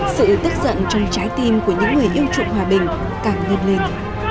sự tức giận trong trái tim của những người yêu chuộng hòa bình càng lên lên